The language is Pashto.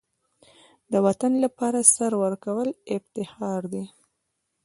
د وطن لپاره سر ورکول افتخار دی.